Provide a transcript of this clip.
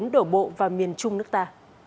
đổ bộ vào miền trung nước ta